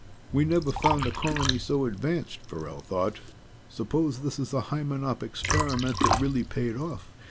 We never found a colony so advanced, Farrell thought. Suppose this is a Hymenop experiment that really paid off?